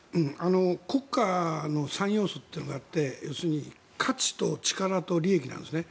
国家の３要素というのがあって要するに価値と力と利益なんですね。